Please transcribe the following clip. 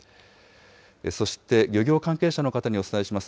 そして漁業関係者の方にお伝えします。